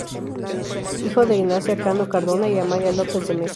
Hijo de Ignacio Cano Cardona y Amalia López de Mesa.